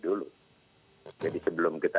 dulu jadi sebelum kita